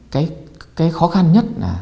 cái khó khăn nhất là